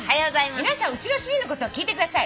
「皆さんうちの主人のことを聞いてください」